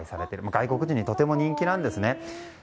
外国人にとても人気なんですね。